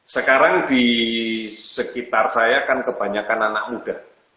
sekarang di sekitar saya kan kebanyakan anak muda